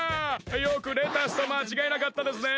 よくレタスとまちがえなかったですね！